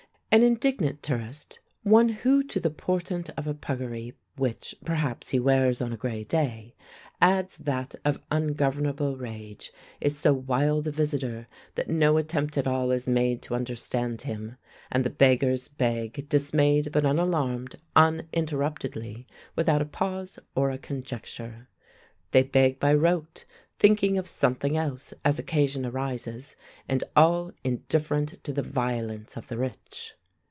An indignant tourist, one who to the portent of a puggaree which, perhaps, he wears on a grey day, adds that of ungovernable rage, is so wild a visitor that no attempt at all is made to understand him; and the beggars beg dismayed but unalarmed, uninterruptedly, without a pause or a conjecture. They beg by rote, thinking of something else, as occasion arises, and all indifferent to the violence of the rich.